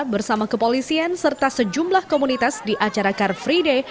bersama kepolisian serta sejumlah komunitas di acara car free day